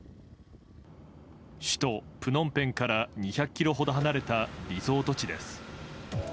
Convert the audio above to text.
首都プノンペンから２００ｋｍほど離れたリゾート地です。